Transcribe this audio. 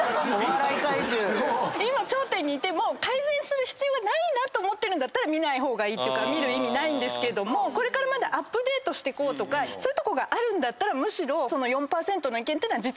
今頂点にいてもう改善する必要がないなと思ってるんだったら見ない方がいいというか見る意味ないんですけどもこれからアップデートしてこうとかそういうとこがあるんだったら。